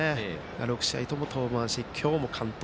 ６試合とも登板し、今日も完投。